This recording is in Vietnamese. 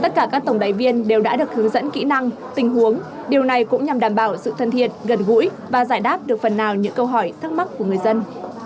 tất cả các tổng đài viên đều đã được hướng dẫn kỹ năng tình huống điều này cũng nhằm đảm bảo sự thân thiện gần gũi và giải đáp được phần nào những câu hỏi thắc mắc của người dân